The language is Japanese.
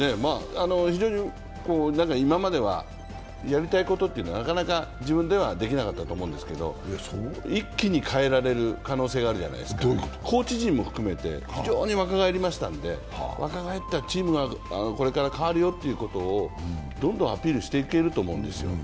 非常に今まではやりたいことっていうのはなかなか自分ではできなかったと思うんですけれども、一気に変えられる可能性があるじゃないですかコーチ陣も含めて非常に若返りましたので、若返ったチームがこれから変わるよということをどんどんアピールしていけると思うんですよ。